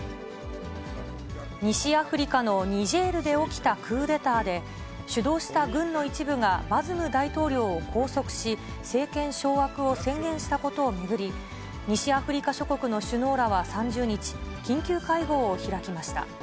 西アフリカのニジェールで起きたクーデターで、主導した軍の一部がバズム大統領を拘束し、政権掌握を宣言したことを巡り、西アフリカ諸国の首脳らは３０日、緊急会合を開きました。